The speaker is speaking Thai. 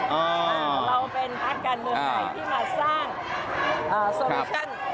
เราเป็นภาคการณ์เมืองไหนที่มาสร้างสวิคัล